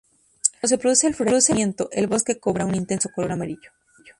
Cuando se produce el florecimiento, el bosque cobra un intenso color amarillo.